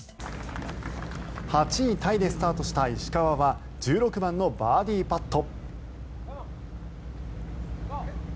８位タイでスタートした石川は１６番のバーディーパット。